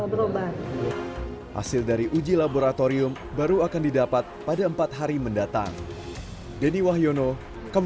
pasiennya sendiri memang gejalanya itu ada sesak nafas ada batuk dan sebagainya ada di wayang dalamnya